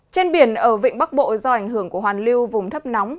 trên biển ở vịnh bắc bộ do ảnh hưởng của hoàn lưu vùng thấp nóng